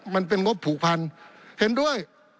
มันเป็นงบผูกพันเห็นด้วย